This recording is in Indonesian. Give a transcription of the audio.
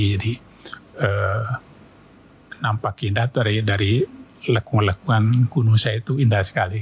jadi nampak indah dari lekungan lekungan gunung saya itu indah sekali